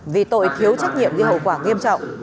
vì tội thiếu trách nhiệm gây hậu quả nghiêm trọng